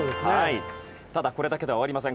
ただこれだけでは終わりません。